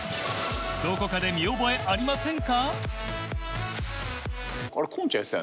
どこかで見覚えありませんか？